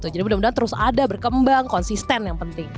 jadi mudah mudahan terus ada berkembang konsisten yang penting